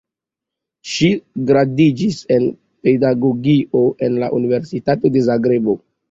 Ŝi gradiĝis en pedagogio en la Universitato de Zagrebo.